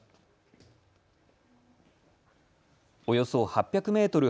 およそ８００メートル